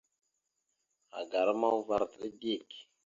Agara ma uvar ataɗá dik.